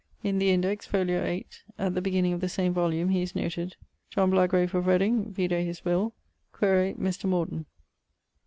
In the Index (fol. 8) at the beginning of the same volume he is noted: 'John Blagrave of Reding, vide his will, quaere Mr. Morden.'